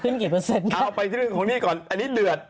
เอาไปที่เรื่องของนี่ก่อนอันนี้เดือด